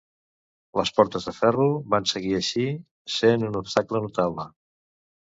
Les Portes de Ferro van seguir, així, sent un obstacle notable.